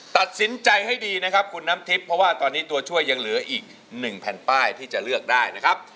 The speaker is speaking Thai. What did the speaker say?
ตัดสินใจให้ดีนะครับคุณน้ำทิพย์เพราะว่าตอนนี้ตัวช่วยยังเหลืออีก๑แผ่นป้ายที่จะเลือกได้นะครับ